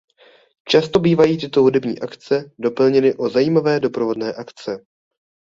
Často bývají tyto hudební akce doplněny o zajímavé doprovodné akce.